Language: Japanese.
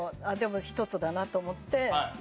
でも１つだなと思って。